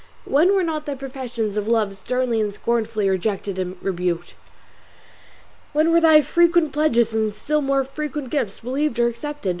When were not thy professions of love sternly and scornfully rejected and rebuked? When were thy frequent pledges and still more frequent gifts believed or accepted?